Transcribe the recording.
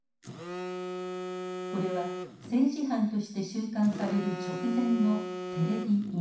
これは政治犯として収監される直前のテレビインタビュー。